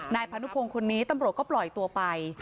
นายพานุพงศ์คนนี้ตำรวจก็ปล่อยตัวไป